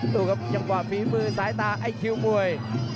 ถูกครับยังกว่าฝีฟื้อซ้ายตาไอคิวมวย